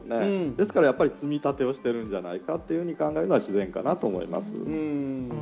ですから積み立てをしているんじゃないかなと考えるのが自然だと思います。